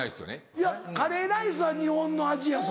いやカレーライスは日本の味やぞ。